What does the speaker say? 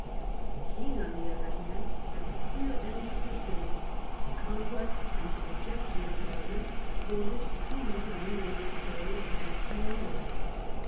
The king, on the other hand, had a clear end to pursue, the conquest and subjection of Parliament, for which was needed only a victorious march to London.